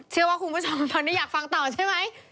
เชื่อว่าคุณผู้ชมตอนนี้อยากฟังต่อใช่ไหม